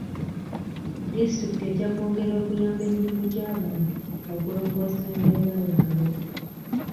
Disitulikiti ejja kweyongera okuyamba mirimu gy'abantu okulongoosa embeera yaabwe.